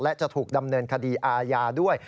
และจะถูกดำเนินคดีอาญาด้วย